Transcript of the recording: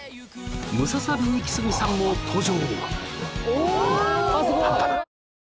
ムササビイキスギさんも登場！